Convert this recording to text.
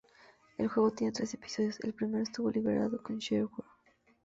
El juego tiene tres episodios, el primero estuvo liberado como shareware.